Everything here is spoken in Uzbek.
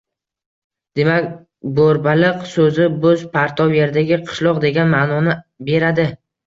Demak, Bo‘rbaliq so‘zi "bo‘z, partov yerdagi qishloq" degan ma’noni beradi.